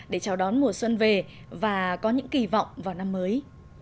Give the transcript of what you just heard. để chào đón mùa xuân về và có những kỳ vọng vào năm mới